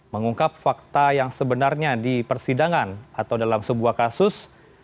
mengungkap fakta yang sebenarnya di persidangan atau dalam sebuah kasus